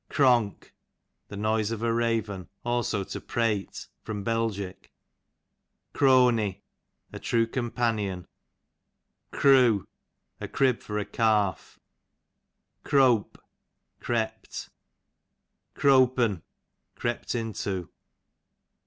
Cronk, the noise of a raven ; also to prate. Bel. Crony, a true companion. Croo, a' crib for a calf. Crope, crept. Crop'n, crept into.